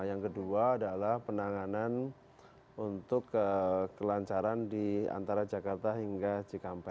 yang kedua adalah penanganan untuk kelancaran di antara jakarta hingga cikampek